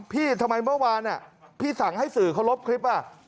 ทำไมเมื่อวานพี่สั่งให้สื่อเขาลบคลิปอ่ะ